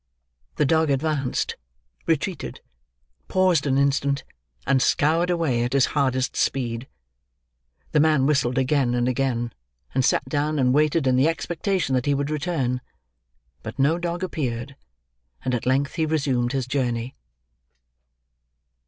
The dog advanced, retreated, paused an instant, and scoured away at his hardest speed. The man whistled again and again, and sat down and waited in the expectation that he would return. But no dog appeared, and at length he resumed his journey.